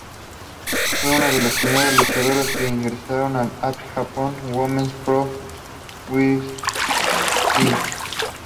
Fue una de las primeras luchadoras que ingresaron en All Japan Women's Pro-Wrestling.